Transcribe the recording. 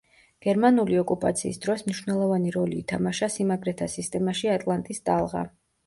გერმანული ოკუპაციის დროს მნიშვნელოვანი როლი ითამაშა სიმაგრეთა სისტემაში „ატლანტის ტალღა“.